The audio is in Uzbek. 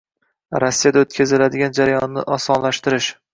Rossiyada o'tkaziladigan jarayonni osonlashtirish